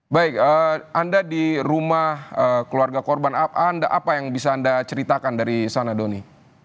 baik anda di rumah keluarga korban apa yang bisa anda ceritakan dari sana doni